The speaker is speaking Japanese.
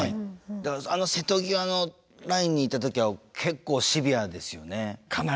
だからあの瀬戸際のラインにいた時は結構シビアですよね。